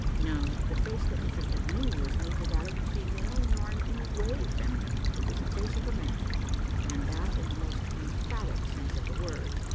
No the face that interested me was neither that of a female, nor in any way feminine. It was the face of a man; and that in the most emphatic sense of the word.